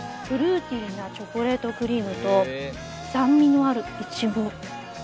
フルーティーなチョコレートクリームと酸味のあるいちご。